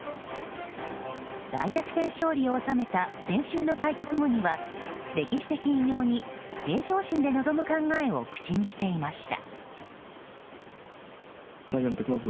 大逆転勝利を収めた先週の対局後には歴史的偉業に平常心で臨む考えを口にしていました。